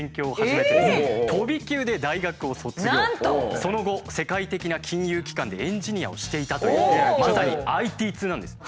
その後世界的な金融機関でエンジニアをしていたというまさにＩＴ通なんです。